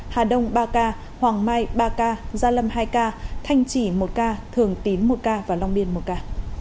hà đông ba ca hoàng mai ba ca gia lâm hai ca thanh trì một ca thường tín một ca và long biên một ca